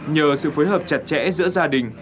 nhờ sự phối hợp chặt chẽ giữa gia đình